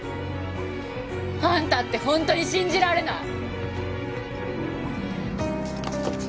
あんたってホントに信じられない。